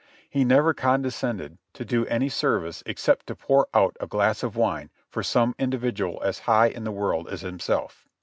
He never condescended to do any service except to pour out a glass of wine for some individual as high in the world as himself.